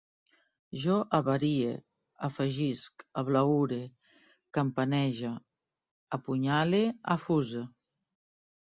Jo avarie, afegisc, ablaüre, campanege, apunyale, afuse